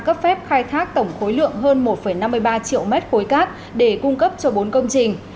cấp phép khai thác tổng khối lượng hơn một năm mươi ba triệu mét khối cát để cung cấp cho bốn công trình